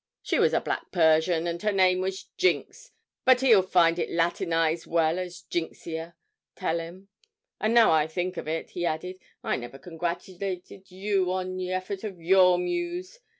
She was a black Persian and her name was "Jinks," but he'll find it Latinise well as "Jinxia," tell him. And now I think of it,' he added, 'I never congratulated you on the effort of your muse.